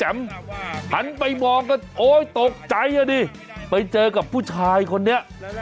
หันไปมองก็โอ๊ยตกใจอ่ะดิไปเจอกับผู้ชายคนนี้